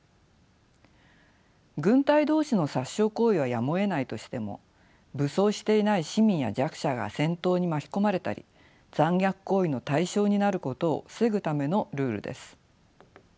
軍隊同士の殺傷行為はやむをえないとしても武装していない市民や弱者が戦闘に巻き込まれたり残虐行為の対象になることを防ぐためのルールです。